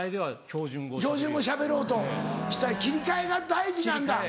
標準語しゃべろうとして切り替えが大事なんだ。